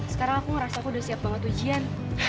sekarang aku ngerasa aku udah siap banget ujian